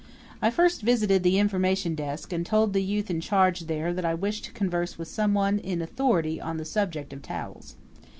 I first visited the information desk and told the youth in charge there I wished to converse with some one in authority on the subject of towels.